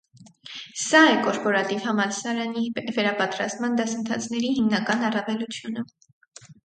Սա է կորպորատիվ համալսարանի վերապատրաստման դասընթացների հիմնական առավելությունը։